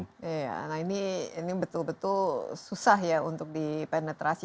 ya ini betul betul susah ya untuk dipenetrasi